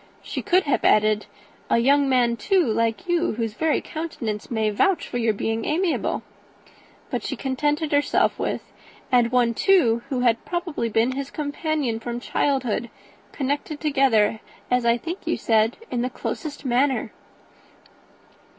She could have added, "A young man, too, like you, whose very countenance may vouch for your being amiable." But she contented herself with "And one, too, who had probably been his own companion from childhood, connected together, as I think you said, in the closest manner."